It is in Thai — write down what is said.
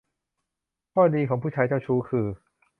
ข้อดีของผู้ชายเจ้าชู้คือ